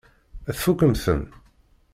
Tfukkem-ten?